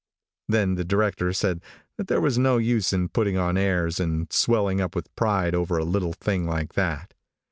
Then the director said that there was no use in putting on airs, and swelling up with pride over a little thing like that.